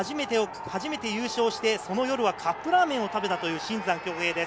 今年Ｇ１、初めて優勝して、その夜はカップラーメンを食べたという、新山響平です。